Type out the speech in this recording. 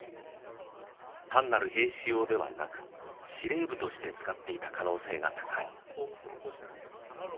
単なる兵士用ではなく司令部として使っていた可能性が高い。